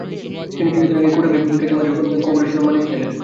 তিনি কিছুদিন আগেই ক্যাটকে খোঁচা মেরে কথা বলে খবরের শিরোনাম হয়েছিলেন।